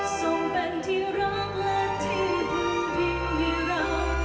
ส่งเป็นที่รักและที่พึ่งพิงให้เรา